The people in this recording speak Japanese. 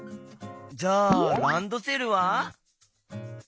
じゃあランドセルは？